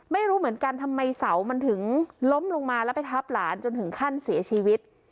ไม่รู้เหมือนกันทำไมเสามันถึงล้มลงมาแล้วไปทับหลานจนถึงขั้นเสียชีวิต